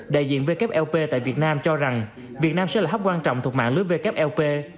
đại diện wlp tại việt nam cho rằng việt nam sẽ là hấp quan trọng thuộc mạng lưới wlp